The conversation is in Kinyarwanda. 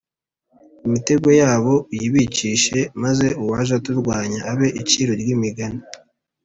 imitego yabo uyibicishe maze uwaje aturwanya abe iciro ry’imigani